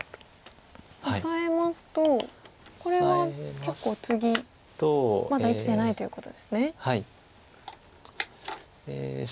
オサえますとこれは結構次まだ生きてないということですね。